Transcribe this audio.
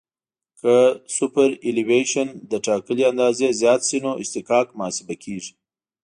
که سوپرایلیویشن له ټاکلې اندازې زیات شي نو اصطکاک محاسبه کیږي